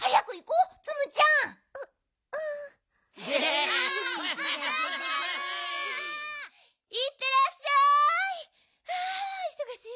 ううん。いってらっしゃい！